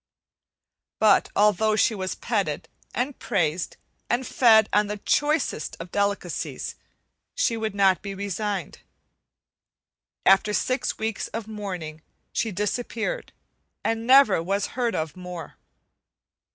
But although she was petted, and praised, and fed on the choicest of delicacies, she would not be resigned. After six weeks of mourning, she disappeared, and never was heard of more.